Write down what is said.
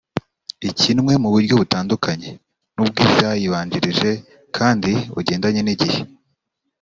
Ikinwe mu buryo butandukanye n’ubw’izayibanjirije kandi bugendanye n’igihe